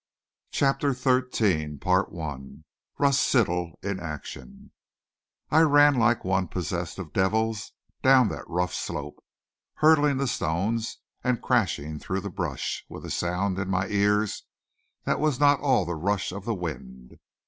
Chapter 13 RUSS SITTELL IN ACTION I ran like one possessed of devils down that rough slope, hurdling the stones and crashing through the brush, with a sound in my ears that was not all the rush of the wind.